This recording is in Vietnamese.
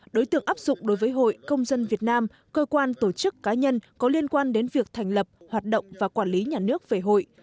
đối tượng áp dụng đối với hội công dân việt nam cơ quan tổ chức cá nhân có liên quan đến việc thành lập hoạt động và quản lý nhà nước về hội